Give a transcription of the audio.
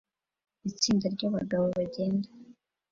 Itsinda ryabagabo bagenda